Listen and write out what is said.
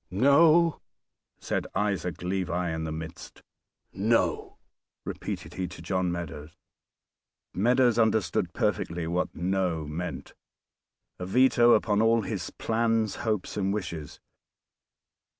"No!!" said Isaac Levi in the midst. "No!!" repeated he to John Meadows. Meadows understood perfectly what "No" meant; a veto upon all his plans, hopes and wishes.